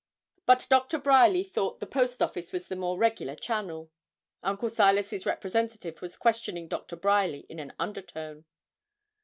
But Doctor Bryerly thought the post office was the more regular channel. Uncle Silas's representative was questioning Doctor Bryerly in an under tone.